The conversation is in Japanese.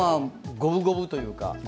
五分五分というか。